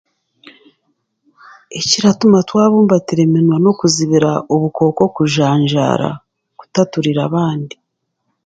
Ekiratuma twabumbatira eminwa n'okuzibira obukooko kujanjaara kutaturira abandi